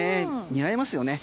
似合いますよね。